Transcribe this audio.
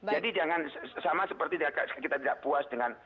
jadi jangan sama seperti kita tidak puas dengan